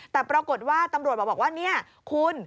แต่ปรากฏว่าตำรวจบอกว่าเนี่ยคุณ